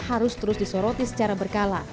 harus terus disoroti secara berkala